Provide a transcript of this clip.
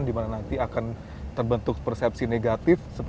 dimana nanti akan terbentuk persepsi negatif